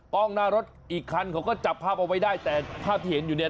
กล้องหน้ารถอีกคันเขาก็จับภาพเอาไว้ได้แต่ภาพที่เห็นอยู่เนี่ย